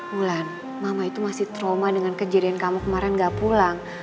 bulan mama itu masih trauma dengan kejadian kamu kemarin gak pulang